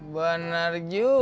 bener juga loh